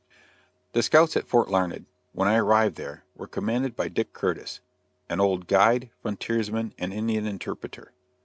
The scouts at Fort Larned, when I arrived there, were commanded by Dick Curtis an old guide, frontiersman and Indian interpreter.